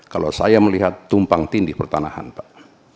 kalau saya melihat tumpang tindih pertanahan pak